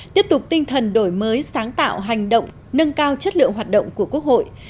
tiếp tục tinh thần đổi mới sáng tạo hành động nâng cao chất lượng hoạt động của quốc hội